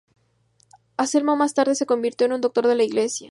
Anselmo más tarde se convirtió en un Doctor de la Iglesia.